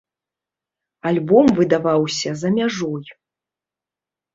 Альбом выдаваўся за мяжой.